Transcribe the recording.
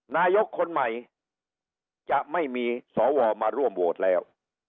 นายกคนใหม่จะไม่มีสวมาร่วมโหวตแล้ว